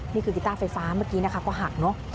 นี่คือกีต้าไฟฟ้าเมื่อกี้นะคะก็หักเนอะ